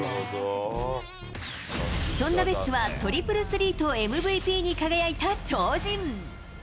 そんなベッツは、トリプルスリーとＭＶＰに輝いた超人。